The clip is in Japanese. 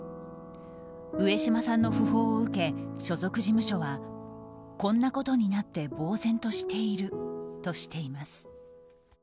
上島さんの訃報を受け所属事務所はこんなことになってぼう然としているとしています。